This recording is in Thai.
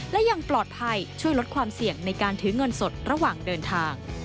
และยังปลอดภัยช่วยลดความเสี่ยงในการถือเงินสดระหว่างเดินทาง